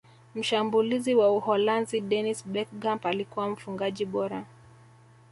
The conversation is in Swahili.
mshambulizi wa uholanzi dennis berkgamp alikuwa mfungaji bora